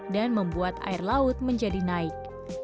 dan membuat air laut menjadi naik